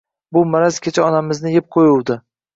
– Bu maraz kecha onamizni yeb qo‘yuvdi